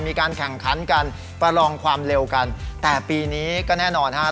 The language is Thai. มีการแข่งขันกันประลองความเร็วกันแต่ปีนี้ก็แน่นอนฮะ